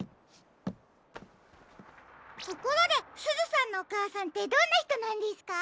ところですずさんのおかあさんってどんなひとなんですか？